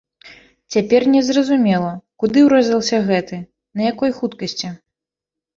Цяпер незразумела, куды урэзаўся гэты, на якой хуткасці?